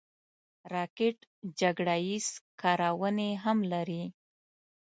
راکټ جګړه ییز کارونې هم لري